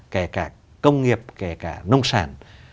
kể cả công nghiệp kể cả nông sản